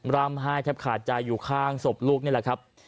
ร่ำไห้แทบขาดใจอยู่ข้างศพลูกนี่แหละครับ